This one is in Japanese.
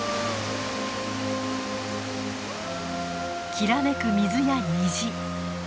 きらめく水や虹。